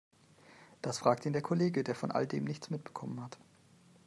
Das fragt ihn der Kollege, der von all dem nichts mitbekommen hat.